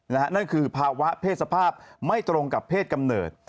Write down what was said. นั่นคือภาวะเพศสภาพไม่ตรงกับเพศกำเนิด